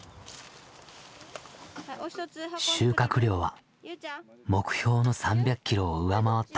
収穫量は目標の３００キロを上回った。